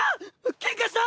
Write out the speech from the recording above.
ケンカした！？